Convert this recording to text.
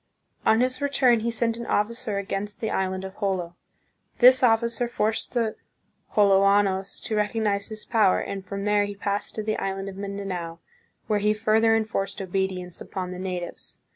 On his re turn he sent an officer against the island of Jolo. This officer forced the Joloanos to recognize his power, and from there he passed to the island of Mindanao, where he further enforced obedience upon the natives.